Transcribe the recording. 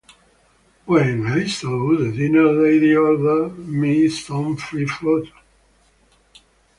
When I saw the dinner lady order me some free food.